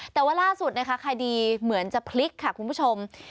แต่ว่าล่าสุดนะคะคดีเหมือนจะพลิกค่ะคุณผู้ชม